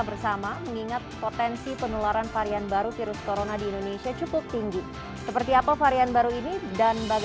bersatu lawan covid sembilan belas